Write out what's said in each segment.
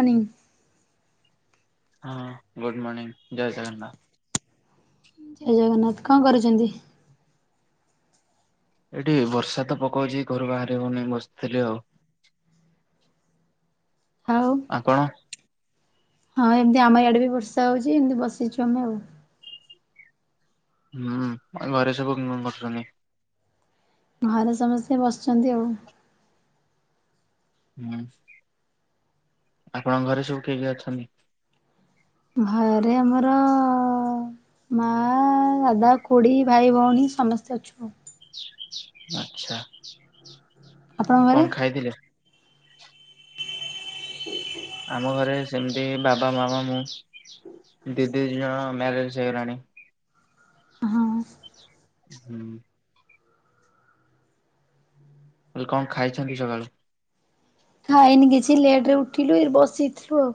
ପାନି [unintelligible] ହଁ good morning ଜୟ ଜଗନ୍ନାଥ ଜୟ ଜଗନ୍ନାଥ କଣ କରୁଛନ୍ତି? ଏଠି ବର୍ଷା ତ ପକଉଛି ଘରୁ ବାହାରି ହଉନି ବସିଥିଲି ଆଉ [inaudible] ଆଉ ଆପଣ ହଁ ଏମତି ଆମ ଇଆଡ଼େ ବି ବର୍ଷା ହଉଛି ଏମିତି ବସିଛୁ ଆମେ ଆଉ ହୁଁ ଘରେ ସବୁ ଉଁ କରୁଛନ୍ତି। ଘରେ ସମସ୍ତେ ବସିଛନ୍ତି ଆଉ ହୁଁ ଆପଣଙ୍କ ଘରେ ସବୁ କିଏ କିଏ ଅଛନ୍ତି? ଘରେ ଆମର ମା ଦାଦା ଖୁଡି ଭାଇ ଭଉଣୀ ସମସ୍ତେ ଅଛୁ। ଆଛା ଆପଣଙ୍କ ଆଉ ଘରେ? କଣ ଖାଇଥିଲେ? [unintelligible] ଆମ ଘରେ ସେମିତି ବାବା ମାମା ମୁଁ ଦିଦି ଦି ଜଣ ମ୍ୟାରେଜ ହେଇଗଲାଣି ହଁ ହୁଁ [inaudible] ମୁଁ କହିଲି କଣ ଖାଇଛନ୍ତି କି ସକାଳୁ ଖାଇନି କିଛି ଲେଟ ରେ ଉଠିଲୁ ଏ ବସିଥିଲୁ ଆଉ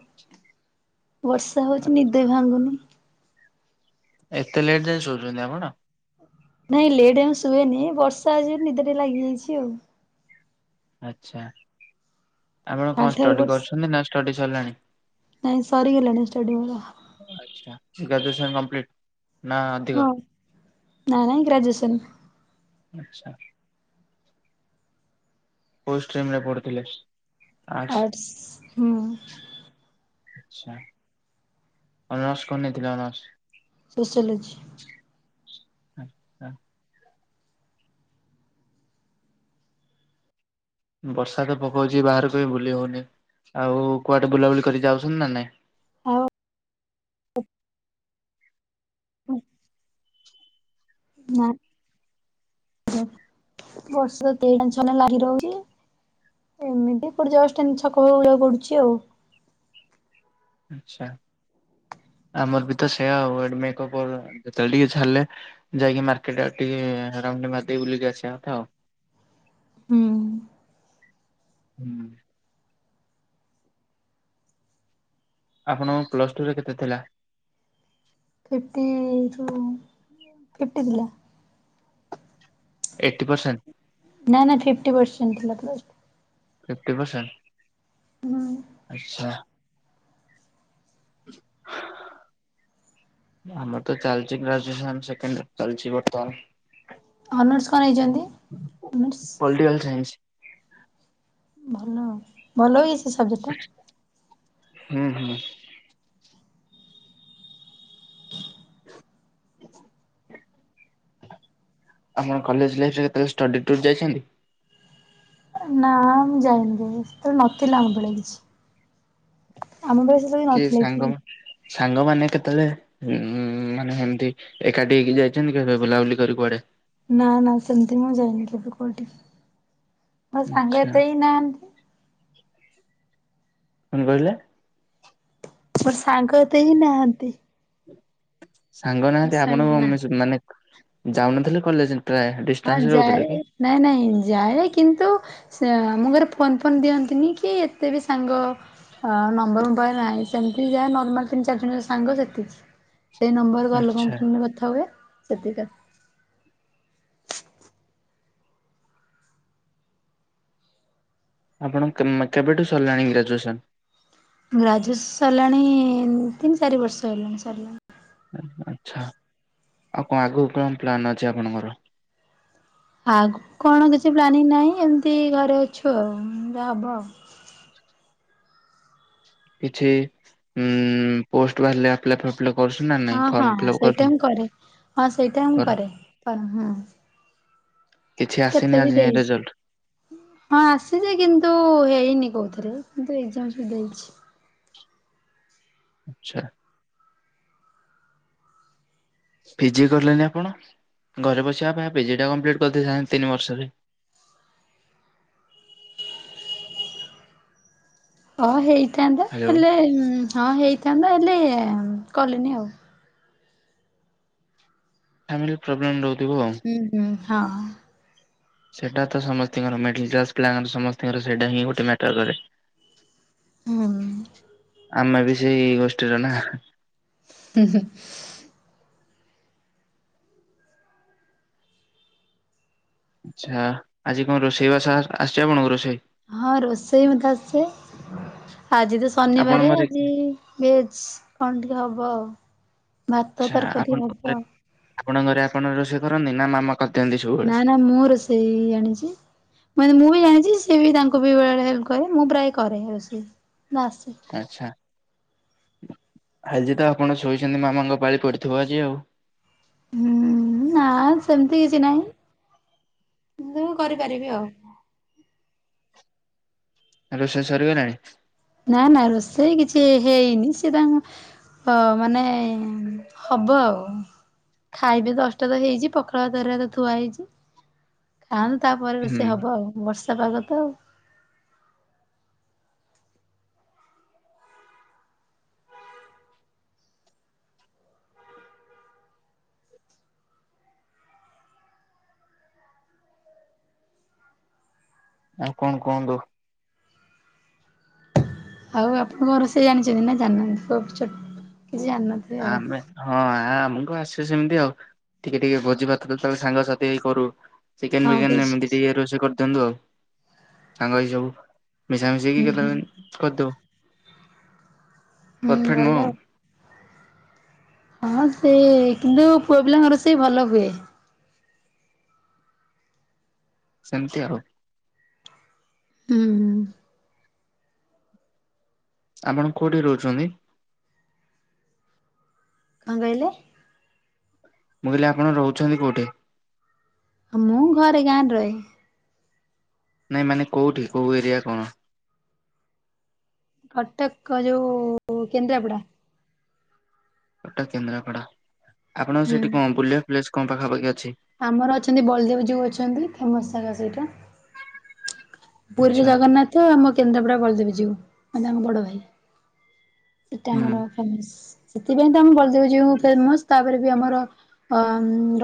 ବର୍ଷା ହଉଛି ନିଦ ବି ଭାଙ୍ଗୁନି। ଏତେ ଲେଟ୍ ଯାଏ ଶଉଛନ୍ତି ଆପଣ? ନାଇଁ ଲେଟ ଜାଙ୍କେ ଶୁଏନି ବର୍ଷା ହେଇଚି ବୋଲି ନିଦ ଟିକେ ଲାଗିଯାଇଛି ଆଉ। ଆଚ୍ଛା। ଆପଣ କଣ ଷ୍ଟଡି କରୁଛନ୍ତି ନା ଷ୍ଟଡି ସରିଲାଣି? ନାଇ ସରିଗଲାଣି ଷ୍ଟଡି ମୋର। ସେ ଗ୍ରାଜୁଏସନ୍ କମ୍ପଲିଟ ନା, ଅଧିକ? ହଁ ନା ନାଇ ଗ୍ରାଜୁଏସନ୍। ଆଚ୍ଛା। କୋଉ ଷ୍ଟ୍ରିମ୍ ରେ ପଢୁଥିଲେ? ଆର୍ଟ୍ସ ଆଟ୍ସ ହୁଁ। ଆଛା। ଅନର୍ସ କଣ ନେଇଥିଲ ଅନର୍ସ? ସୋଶିଓଲୋଜି। ଆ ଆ ବର୍ଷା ତ ପକଉଛି ବାହାରକୁବି ବୁଲି ହଉନି। ଆଉ କୁଆଡେ ବୁଲାବୁଲି କରି ଯାଉଛନ୍ତି ନା ନାଇଁ? ଆଉ। ହ୍ନୁ। ନା। ବର୍ଷା ଦିନ ଛାରା ଲାଗି ରହୁଛି। ଏମିତି କୋଉଠି ଜଷ୍ଟ ଏମିତି ଛକ ପାଖକୁ ଯିବାକୁ ପଡୁଛି ଆଉ। ଆଚ୍ଛା। ଆମର ବି ତ ସେଇୟା ଆଉ ଅଦ୍ମିକପରର ଯେତେବେଳେ ଟିକେ ଛାଡ଼ିଲେ ଯାଇକି ମାର୍କେଟ ଆଡ଼େ ଟିକେ ରାଉଣ୍ଡ ମାରିଦେଇକି ବୁଲି କି ଆସିବା କଥା ଆଉ। ହୁଁ। ହୁଁ। ଆପଣଙ୍କ ପ୍ଲସ ଟୁ ରେ କେତେ ଥିଲା? ଫିଫ୍ଟି ଠୁ ଫିଫ୍ଟି ଥିଲା। Eighty percent? ନା, ନା ଫିଫ୍ଟି ପରସେଣ୍ଟ ଥିଲା [unintelligible] ଫିଫ୍ଟି ପରସେଣ୍ଟ ହୁଁ ଆଚ୍ଛା। ଆମର ତ ଚାଲିଛି ଗ୍ରାଜୁଏସନ ସେକେଣ୍ଡ ଇଅର ଚାଲିଛି ଅନର୍ସ କଣ ନେଇଛନ୍ତି? ବର୍ତ୍ତମାନ। Honours political science. ଭଲ, ଭଲ ବି ସେ ସବଜେକ୍ଟଟା। ହୁଁ, ହୁଁ। ଆପଣ କଲେଜ ଲାଇଫରେ କେତେବେଳେ ଷ୍ଟଡି ଟୁର୍ ଯାଇଛନ୍ତି? ନା ମୁଁ ଯାଇନି କେବେ ସେତେବେଳେ ନଥିଲା ଆମ ବେଳେ କିଛି। ଆମ ବେଳେ ସେତେବେଳେ କି ନଥିଲା ସାଙ୍ଗ ଏଠି ସାଙ୍ଗମାନେ କେତେବେଳେ ଉ ମାନେ ହେମିତି ଏକାଠି ହେଇକି ଯାଇଛନ୍ତି କେବେ ବୁଲାବୁଲି କରୀ କୁଆଡେ? ନା, ନା ସେମିତି ମୁଁ ଯାଇନି କେବେ କଉଠି। ମୋ ସାଙ୍ଗ ଆଚ୍ଛା ଏତେ ହିଁ ନାହାନ୍ତି। କଣ କହିଲେ? ମୋର ସାଙ୍ଗ ଏତେ କେହିଁ ନାହାନ୍ତି। ସାଙ୍ଗ ମୋ ନାହାନ୍ତି ସାଙ୍ଗ ଆପଣ ନା ମାନେ ଯାଉନଥିଲେ କଲେଜ ପ୍ରାୟ ହଁ, ଡିଷ୍ଟାନ୍ସରେ ରହୁଥିଲେ ଯାଏ କି? ନାଇଁ ନାଇଁ ଯାଏ କିନ୍ତୁ ସେ ଆମ ଘରେ ଫୋନ୍ ଫୋନ୍ ଦିଅନ୍ତିନି କି ଏତେ ବି ସାଙ୍ଗ ହଁ, ନମ୍ବର ମୋ ପାଖରେ ନାହିଁ ସେମିତି ଯାହା ନର୍ମାଲ୍ ତିନି ଚାରି ଜଣ ସାଙ୍ଗ ସେତିକି। ସେଇ ନମ୍ବରରେ ଘର ଆଚ୍ଛା ଲୋକଙ୍କ ଫୋନରେ କଥା ହୁଏ ସେତିକି କାଫି। ଆପଣ କେବେଠୁ ସରିଲାଣି ଗ୍ରାଜୁଏସନ୍? ଗ୍ରାଜୁଏସ ସରିଲାଣି ତିନି, ଚାରି ବର୍ଷ ହେଲାଣି ସରିଲାଣି। ଆଚ୍ଛା ଆଉ କଣ ଆଗକୁ କଣ ପ୍ଲାନ୍ ଅଛି ଆପଣଙ୍କର? ଆ କଣ କିଛି ପ୍ଲାନିଂ ନାହିଁ ଏମିତି ଘରେ ଅଛୁ ଆଉ ହବ ଆଉ। କିଛି ଉଁ ପୋଷ୍ଟ ବାହାରିଲେ ଆପ୍ଲା ହଁ ହଁ ସେଇଟା ମୁ କରେ ହଁ ସେଇଟା ମୁ କର କରେ ହଁ। କିଛି ଆସିନି କେତେ ବି ଆଜି ଯାଏଁ ରେଜଲ୍ଟ ଦେଇଛି ହଁ ଆସିଛି କିନ୍ତୁ ହେଇନି କୋଉଥିରେ। ମୁଁ ତୁ ଏଜାମ ସବୁ ଦେଇଛି। ଆଚ୍ଛା। ପିଜି କଲେନି ଆପଣ ଘରେ ବସିବା ପାଇଁ ପିଜି ଟା କମ୍ପ୍ଲିଟ କରିଦେଇଥାନ୍ତେ ତିନି ବର୍ଷରେ। ହଁ ହେଇଥାନ୍ତା ହ୍ୟାଲୋ ହେଲେ ହଁ ହେଇଥାନ୍ତା ହେଲେ ଏ କଲିନି ଆଉ। ଫ୍ୟାମିଲି ପ୍ରୋବ୍ଲେମ୍ ରହୁଛି। ହୁଁ ହୁଁ ହଁ। ସେଟା ତ ସମସ୍ତଙ୍କର ମିଡିଲ କ୍ଲାସ ପିଲାଙ୍କର ସମସ୍ତଙ୍କର ସେଇଟା ହିଁ ଗୋଟେ ମ୍ୟାଟର କରେ। ହୁଁ। ଆମେ ବି ସେଇ ଗୋଷ୍ଠୀର ନା? ହୁଁ ହୁଁ। ଆଚ୍ଛା ଆଜି କଣ ରୋଷେଇ ବାସ ଆସିଛି ଆପଣଙ୍କୁ ରୋଷେଇ? ହଁ ରୋଷେଇ ମୋତେ ଆସେ। ଆଜି ତ ଆପଣଙ୍କ ଶନିବାର ଘରେ ଆଜି ଭେଜ କଣ ଟିକେ ହବ ଆଉ। ଭାତ ତରକାରୀ ହବ ଆଉ। ଆପଣ ଘରେ ଆପଣ ରୋଷେଇ କରନ୍ତି ନା ମାମା? କରିଦିଅନ୍ତି ସବୁବେଳେ? ନା ନା ମୁଁ ରୋଷେଇ ଜାଣିଛି ମ ମୁଁ ବି ଜାଣିଛି। ସିଏ ବି ତାଙ୍କୁ ବି ବେଳେ ହେଲ୍ପ କରେ ମୁଁ ପ୍ରାୟ କରେ ରୋଷେଇ ଆସେ। ଆଚ୍ଛା ଆଜି ତ ଆପଣ ଶୋଇଛନ୍ତି ମାମାଙ୍କ ପାଳି ପଡିଥିବ ଆଜି ଆଉ। ହୁଁ ନା ସେମିତି କିଛି ନାହିଁ। ମୁଁ କରିପାରିବି ଆଉ। ରୋଷେଇ ସରିଗଲାଣି? ନା ନା ରୋଷେଇ କିଛି ହେଇନି ସେ ତାଙ୍କ ହ ମାନେ ହବ ଆଉ। ଖାଇବି ଦଶଟା ତ ହେଇଛି ପଖାଳ ଭାତ ହେରା କା ଥୁଆ ହେଇଛି। ଆଉ ତାପରେ ହୁଁ ରୋଷେଇ ହବ ଆଉ ବର୍ଷା ପାଗ ତ ଆଉ। ଆଉ କଣ କୁହନ୍ତୁ? ଆଉ ଆପଣଙ୍କ କଣ ରୋଷେଇ ଜାଣିଛନ୍ତି ନା ଜାଣିନାହାନ୍ତି? କିଛି ଜାଣିନଥିବେ ଆଉ। ଆମେ ହଁ ଆମ ଆ କ ଆସିବେ ସେମିତି ଆଉ ଟିକେ ଟିକେ ଭୋଜି ଭାତ୍ର ତାହଲେ ସାଙ୍ଗସାଥି ହେଇ କରୁ। ଚିକେନ ହଁ ବିରିୟାନୀ ଫିଷ୍ଟ ଏମିତି ଟିକେ ରୋଷେଇ କରିଦିଅନ୍ତୁ ଆଉ ସାଙ୍ଗ ଏଇ ସବୁ ମିଶାମିଶାଇକି ହୁଁ ହୁଁ କେତବେଳେ ଏମିତି କରିଦଉ। ହୁଁ ପରଫେକ୍ଟ ଭଲ। ନୁହଁ ଆଉ। ହଁ ସେ କିନ୍ତୁ ପୁଅ ପିଲାଙ୍କର ରୋଷେଇ ଭଲ ହୁଏ। ସେମିତି ଆଉ। ହୁଁ। ଆପଣ କୋଉଠି ରହୁଛନ୍ତି? କଣ କରିଲେ? ମୁଁ କହିଲି ଆପଣ ରହୁଛନ୍ତି କୋଉଠି? ମୁଁ ଘରେ ଗାଁରେ ରହେ। ନାଇଁ ମାନେ କୋଉଠି କୋଉ ଏରିଆ କଣ? କଟକ ଯୋଉ କେନ୍ଦ୍ରାପଡା। କଟକ କେନ୍ଦ୍ରାପଡା ଆପଣଙ୍କ ହୁଁ। ସେଠି କଣ ବୁଲିବା ପ୍ଲେସ କଣ ପାଖାପାଖି ଅ ଆମର ଅଛନ୍ତି ବଳଦେବଜୀଉ ଅଛନ୍ତି ଫେମସ ଜାଗା ସେଇଟା। ପୁରୀରେ ଆଚ୍ଛା ଜଗନ୍ନାଥ ଆମ କେନ୍ଦ୍ରାପଡା ବଳଦେବ ଜୀଉ ମାନେ ତାଙ୍କ ବଡ ଭାଇ। ସେଇଟା ହୁଁ ଆମର ଫେମସ ସେଥିପାଇଁ ତ ଆମ ବଲଦବଜୀଉ ଫେମସ ତାପରେ ଆମର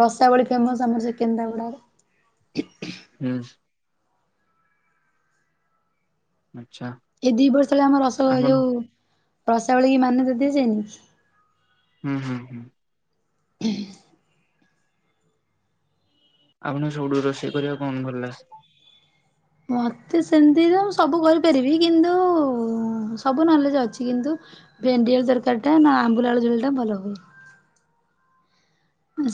ରସାବଳୀ ଫେମସ ଆମର ସେ କେନ୍ଦ୍ରାପଡାର ହୁଁ ଆଚ୍ଛା ଏଇ ଦି ବର୍ଷ ତଳେ ଆମ ରସ ଆପଣ ଯୋଉ ରସାବଳୀ କି ମାନ୍ୟତା ଦିଆଯାଇନି? ହୁଁ, ହୁଁ, ହୁଁ। [unintelligible] ଆପଣଙ୍କୁ ସବୁଠୁ ରୋଷେଇ କରିବା କଣ ଭଲ ଲାଗେ? ମତେ ସେମିତି ତ ମୁ ସବୁ କରିପାରିବି କିନ୍ତୁ ସବୁ ନଲେଜ ଅଛି କିନ୍ତୁ ଭେଣ୍ଡିଆଳୁ ତରକାରୀଟା ନା ଆମ୍ବୁଲା ଆଳୁ ଝୋଳଟା ଭଲ ହୁଏ।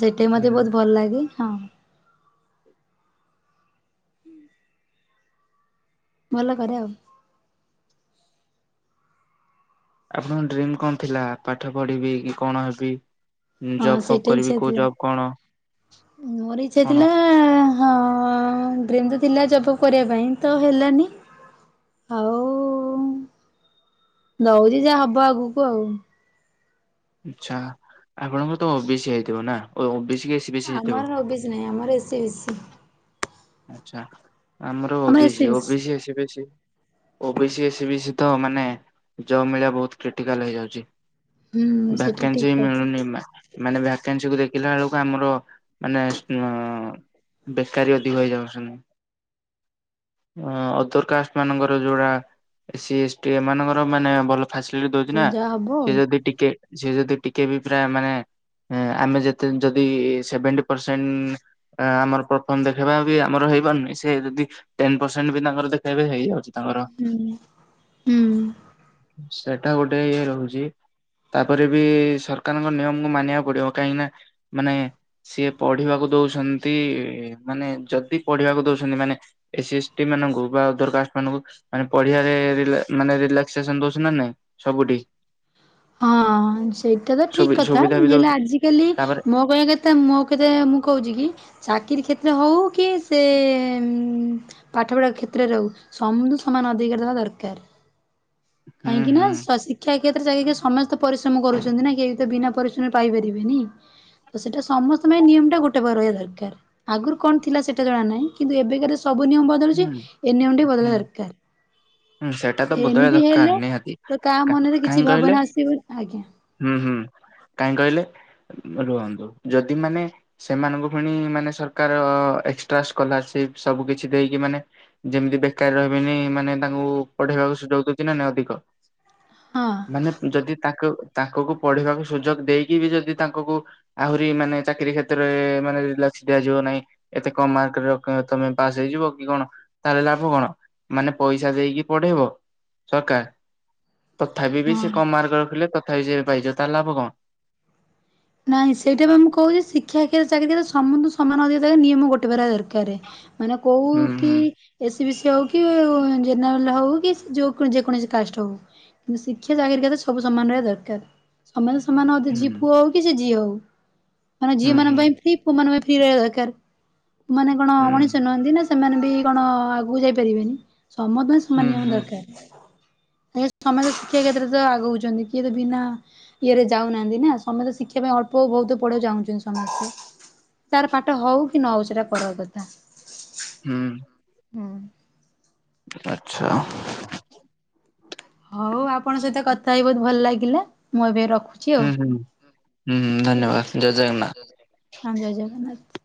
ସେଇଟାବି ମତେ ହୁଁ ବହୁତ ଭଲ ଲାଗେ ହଁ। ଭଲ କରେ ଆଉ। ଆପଣଙ୍କ ଡ୍ରିମ୍ କଣ ଥିଲା? ପାଠ ପଢିବି କି କଣ ହେବି? ହଁ ଜବ୍ ଫବ୍ ସେଇଟା କରିବି ଇଛା କୋଉ ଥିଲା ଜବ୍ କଣ ମୋର ଇଛା କଣ ଥିଲା ହଁ। ହଁ ଡ୍ରିମ ତ ଥିଲା ଜବ ଫବ କରିବା ପାଇଁ ତ ହେଲାନି। ଆଉ ଦଉଛି ଯାହା ହବ ଆଗକୁ ଆଉ? ଆଛା ଆପଣଙ୍କର ତ ଓବିସି ହେଇଥିବ ନା ଓ ଓବିସି କି ଏସି ବିସି ହେଇଥିବ ଆମରଓବିସି ନହିଁ ଆମର ଏସି ବିସି। ଆଛା ଆମର SC OBC BC. OBC SC BC. O B C S B C ତ ମାନେ ଜବ୍ ମିଳିବା ବହୁତ କ୍ରିଟିକାଲ ହେଇଯାଉଛି। ହୁଁ ସେଇଟା ଭାକାନ୍ସି ଠିକ ମିଳୁନି କଥା ମାନେ ଭାକାନ୍ସି କୁ ଦେଖ [unintelligible] ବେଳକୁ ଆମର ମାନେ ବେକାରୀ ହୋଇଯାଉ ଶନ? ଅଦର କାଷ୍ଟମାନଙ୍କର ଯୋଉଟା ଏସି ଏସ୍ଟି ଏମାନଙ୍କର ମାନେ ଭଲ ଫାସିଲିଟି ଦଉଛି ହଉ ନା ଯାହା ହବ ସେ ଆଉ ଯଦି ଟିକେ ସେ ଯଦି ଟିକେ ବି ପ୍ରାୟ ମାନେ ଆମେ ଯେତେ ଯଦି ସେଭେଣ୍ଟି ପରସେଣ୍ଟ ଆମର ପରଫମ ଦେ ଦେଖେଇବା ବି ଆମର ହେଇପାରୁନି ସେ ଯଦି ଟେନ ପରସେଣ୍ଟ ବି ତାଙ୍କର ଦେଖେଇବେ ହେଇଯାଉଛି। ତାଙ୍କର ହୁଁ, ହୁଁ ସେଟା ଗୋଟେ ଇଏ ରହୁଛି। ତାପରେ ବି ସରକାରଙ୍କ ନିୟମକୁ ମାନିବାକୁ ପଡିବ କାହିଁକି ନା ମାନେ ସିଏ ପଢିବାକୁ ଦଉଛନ୍ତି। ମାନେ ଯଦି ପଢିବାକୁ ଦଉଛନ୍ତି ମାନେ ଏସି ଏସ୍ ଟି ମାନଙ୍କୁ ବା ଅଦର କାଷ୍ଟମାନଙ୍କୁ ମାନେ ପଢିବାରେ ରିଲାକସେସନ ଦଉଛନ୍ତି ନା ନାଇଁ ସବୁଠି। ହଁ। ହଁ ସେଇଟା ତ ଠିକ ସୁବି କଥା ସୁବିଧା ବି ହେଲେ ଦଉଛି ଆଜିକାଲି ତାପରେ ମୋ କହିବା କଥା ମୋ କଥା ମୁଁ କହୁଛି କି [inaudible] ଚାକିରି କ୍ଷେତ୍ର ହେଉ କି ସେ ପାଠପଢ଼ା କ୍ଷେତ୍ରରେ ହେଉ ସମୁ ସମାନ ଅଧିକ ଦବା ଦରକାର ହୁଁ କାହିଁକି ହୁଁ ନା ଶିକ୍ଷା ତରେ ଯାଇ ସମସ୍ତେ ପରିଶ୍ରମ କରୁଛନ୍ତି ନା କେହି ବି ତ ବିନା ପରିଶ୍ରମ ପାଇପାରିବେନି। ତ ସେଟା ସମସ୍ତଙ୍କ ପାଇଁ ନିୟମ ଟା ଗୋଟେ ପ୍ରକାର ରହିବା ଦରକାର ଆଗରୁ କଣ ଥିଲା ସେଇଟା ଜଣା ନାହିଁ କିନ୍ତୁ ଏବେକାର ସବୁ ନିୟମ ବଦଳୁଛି ହୁଁ ଏ ନିୟମଟି ବଦଳ ହୁଁ ଦରକାର। ହୁଁ ସେଇଟା ତ ବଦଳିବା ଏମତି ଦରକାର ହେଲେ ନିହାତି। ତ କାହା କା ମନରେ କାହିଁ କିଛି କହିଲେ ଭାବନା ଆସିବ ଆଜ୍ଞା। ହୁଁ ହୁଁ କାହିଁ କହିଲେ ରୁହନ୍ତୁ ଯଦି ମାନେ ସେମାନଙ୍କୁ ପୁଣି ମାନେ ସରକାର ଏକଷ୍ଟ୍ରା ସ୍କଲା ସବୁ କିଛି କିଛି ଦେଇକି ମାନେ ଯେମିତି ବେକାର ରହିବେନି ମାନେ ତାଙ୍କୁ ପଢେଇବାକୁ ସୁଯୋଗ ଦଉଛି ନା ଅଧିକ। ହଁ ମାନେ ଯଦି ତାଙ୍କ ତାଙ୍କୁକୁ ପଢିବାକୁ ସୁଯୋଗ ଦେଇକି ବି ଯଦି ତାଙ୍କୁ ଆହୁରି ମାନେ ଚାକିରୀ କ୍ଷେତ୍ରରେ ମାନେ ଦିଆ ଯିବ ନାହିଁ ଏତେ କମ ମାର୍କରେ ରଖି ତମେ ପାସ୍ ହେଇଯିବ କି କଣ ତାହେଲେ ଲାଭ କଣ? ମାନେ ପଇସା ଦେଇକି ପଢେଇବ ସରକାର ତଥାବି ବି ସିଏ ହଁ। କମ ମାର୍କ ରଖିଲେ ତଥାପି ସେ ପାଇଯିବେ ତାହେଲେ ଲାଭ କଣ? ନାଇଁ ସେଇଟା ବା ମୁଁ କହୁଛି ଶିକ୍ଷା [unintelligible] ଚାକିରି କ୍ଷେତ୍ରରେ ସମସ୍ତଙ୍କୁ ସମାନ ଅଧିକାର ଦିଆଯିବ ନିୟମ ଗୋଟେ [unintelligible] ରେ ମାନେ କୋଉ ହୁଁ କି ହୁଁ ଏସ ଏସି ବି ସି ହଉ କି [unintelligible] ଜେନେରାଲ୍ ହଉ କି ଯୋଉ ଯେକୌଣସି କାଷ୍ଟ ହଉ। କିନ୍ତୁ ଶିକ୍ଷା ଚାକିରି କ୍ଷେତ୍ରରେ ସବୁ ସମାନ ରହିବା ଦରକାର ସମାସ ସମାନ ଅଧିକାର ସେ ହୁଁ ଯିଏ ପୁଅ ହଉ କି ସେ ଝିଅ ହଉ ମାନେ ହୁଁ ହୁଁ ଝିଅମାନଙ୍କ ପାଇଁ ଫି ପୁଅମାନଙ୍କ ପାଇଁ ଫ୍ରୀ ରିହିବା ଦରକାର ମାନେ କଣ ହୁଁ। ମଣିଷ ନୁହନ୍ତି ନା ଶ୍ ସେମାନେ ବି କଣ ଆଗକୁ ଯାଇ ପାରିବେନି ସମସ୍ତଙ୍କ ପାଇଁ ସମାନ ହୁଁ ନିୟମ ହୁଁ ଦରକାର। ଆଜ୍ଞା ସମସ୍ତେ ଶିକ୍ଷା କ୍ଷେତ୍ରରେ ତ ଆଗଉଛନ୍ତି କିଏ ତ ବିନା ଇଏରେ ଯାଉନାହାନ୍ତି ନା ସମସ୍ତେ ଶି ଶିକ୍ଷା ପାଇଁ ଅଳ୍ପ ବହୁତ ପଢିବାକୁ ଚାଁଉଛନ୍ତି ସମସ୍ତେ ତାର ପାଠ ହଉ କି ନ ହଉ ସେଇଟା ପର କଥା। ହୁଁ ହୁଁ। ଆଚ୍ଛା। ହଉ ଆପଣଙ୍କ ସହିତ କଥା ହେଇ ବହୁତ ଭଲ ଲାଗିଲା ମୁଁ ଏବେ ରଖ ରଖୁଚି ହୁଁ ଆଉ, ହୁଁ ହୁଁ ଠିକ୍ ଅଛି ଧନ୍ୟବାଦ ଜୟ ଜଗନ୍ନାଥ। ହଁ ଜୟ ଜଗନ୍ନାଥ।